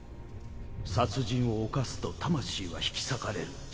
殺人を犯すと魂は引き裂かれる